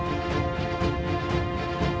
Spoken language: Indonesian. jangan lupa untuk berlangganan